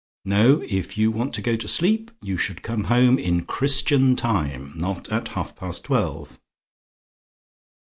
No; if you want to go to sleep, you should come home in Christian time, not at half past twelve.